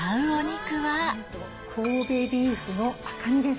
神戸ビーフの赤身です。